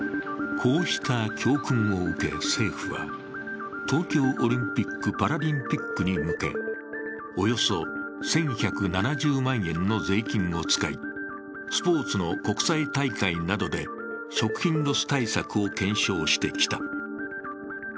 こうした教訓を受け、政府は東京オリンピック・パラリンピックに向けおよそ１１７０万円の税金を使い、スポーツの国際大会などで食品ロス対策を検証してきた。